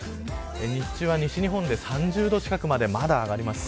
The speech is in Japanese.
日中は西日本で３０度近くまで上がります。